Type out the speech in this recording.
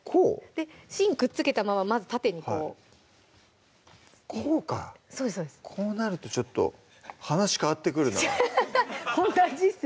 芯くっつけたまままず縦にこうこうかそうですそうですこうなるとちょっと話変わってくるなじゃあ